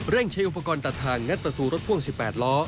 ใช้อุปกรณ์ตัดทางงัดประตูรถพ่วง๑๘ล้อ